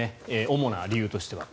主な理由としては。